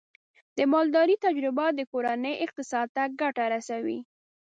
د مالدارۍ تجربه د کورنۍ اقتصاد ته ګټه رسوي.